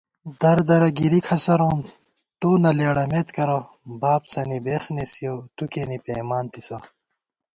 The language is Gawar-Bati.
دردرہ گِرِی کھسَروم ، تو نہ لېڑَمېت کرہ * بابسَنی بېخ نېسِیَؤ تُو کېنے پېئیمانتِسہ